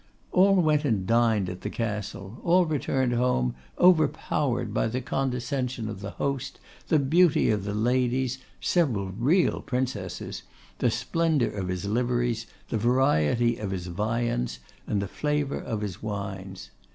All went and dined at the Castle; all returned home overpowered by the condescension of the host, the beauty of the ladies, several real Princesses, the splendour of his liveries, the variety of his viands, and the flavour of his wines.